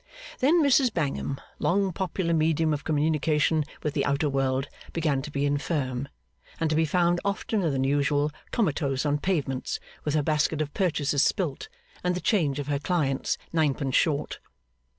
Then Mrs Bangham, long popular medium of communication with the outer world, began to be infirm, and to be found oftener than usual comatose on pavements, with her basket of purchases spilt, and the change of her clients ninepence short.